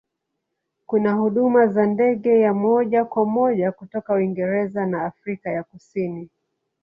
Kuna huduma za ndege ya moja kwa moja kutoka Uingereza na Afrika ya Kusini.